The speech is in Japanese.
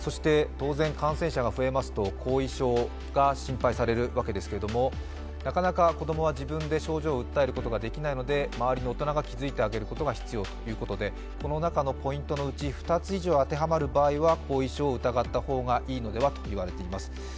当然、感染者が増えますと後遺症が心配されるわけですがなかなか子供は自分で症状を訴えることができないので周りの大人が気付いてあげることが必要ということでこの中のポイントのうち２つ以上当てはまる場合は後遺症を疑った方がいいのではと言われています。